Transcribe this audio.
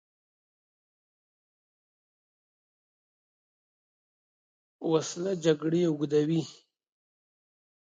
وسله د جګړې اوږدوې